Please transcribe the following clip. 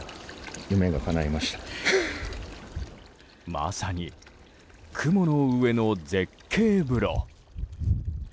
まさに雲の上の絶景風呂。